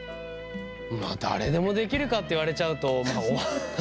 まあ誰でもできるかって言われちゃうとまあハハハ。